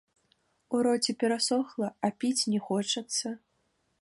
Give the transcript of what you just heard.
У роце перасохла, а піць не хочацца.